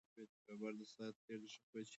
یوازې په یو کار بسنه مه کوئ.